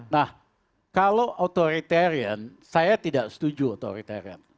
nah kalau authoritarian saya tidak setuju otoritarian